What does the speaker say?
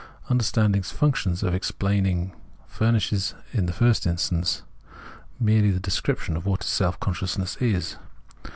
Understanding's function of explaining furnishes in the first instance merely the description of what self consciousness is.